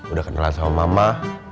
udah kenalan sama mama